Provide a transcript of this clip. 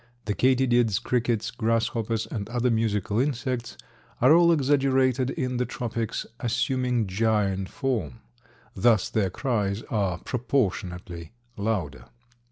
The katydids, crickets, grasshoppers and other musical insects are all exaggerated in the tropics, assuming giant form. Thus their cries are proportionately louder.